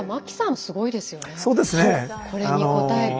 これに応えて。